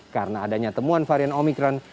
karena adanya temuan varian omicron